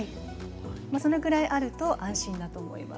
そのぐらいあると安心だと思います。